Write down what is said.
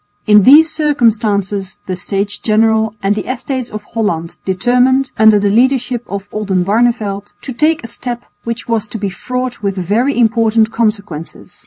In these circumstances the States General and the Estates of Holland determined, under the leadership of Oldenbarneveldt, to take a step which was to be fraught with very important consequences.